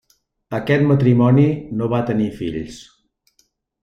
Aquest matrimoni no va tenir fills.